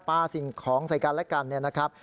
สิ่งของใส่กันและกันเนี่ยนะครับ